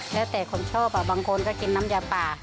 แล้วแต่คนชอบบางคนก็กินน้ำยาป่า